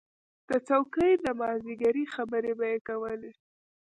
د څوکۍ د مازدیګري خبرې به یې کولې.